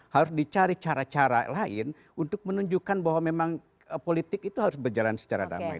harus dicari cara cara lain untuk menunjukkan bahwa memang politik itu harus berjalan secara damai